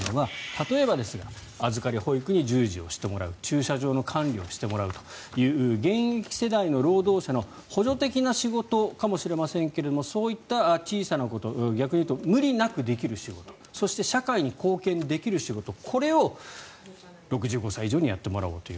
例えば預かり保育に従事をしてもらう駐車場の管理をしてもらうという現役世代の労働者の補助的な仕事かもしれませんがそういった小さなこと逆に言うと無理なくできる仕事そして、社会に貢献できる仕事これを６５歳以上にやってもらおうという。